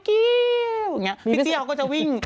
พี่เตี้ยเขาก็จะวิ่ง